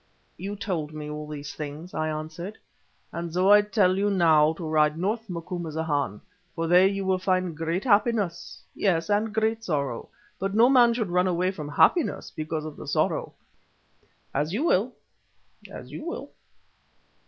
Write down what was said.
"You told me all these things," I answered. "And so I tell you now to ride north, Macumazahn, for there you will find great happiness—yes, and great sorrow. But no man should run away from happiness because of the sorrow. As you will, as you will!"